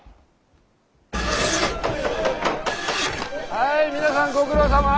はい皆さんご苦労さま！